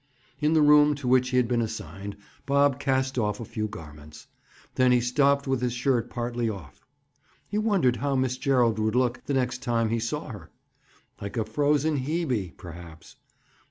In the room to which he had been assigned, Bob cast off a few garments. Then he stopped with his shirt partly off. He wondered how Miss Gerald would look the next time he saw her? Like a frozen Hebe, perhaps!